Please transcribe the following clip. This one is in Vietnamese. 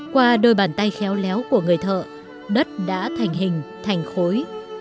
qua đôi bàn tay khéo léo của người thợ đất đã thành hình thành khối